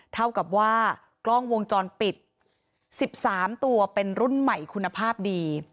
เท่ากับว่ากล้องวงจรปิด๑๓ตัวเป็นรุ่นใหม่คุณภาพดี